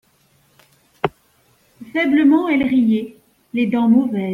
Faiblement elle riait, les dents mauvaises.